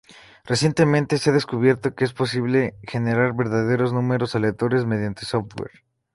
Recientemente se ha descubierto que es posible generar verdaderos números aleatorios mediante software.